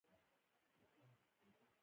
د کورتۍ لمن مې کښته خوا راکښوله.